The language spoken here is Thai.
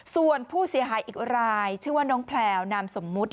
ส่วนผู้เสียหายอีกรายชื่อว่าน้องแพลวนามสมมุติ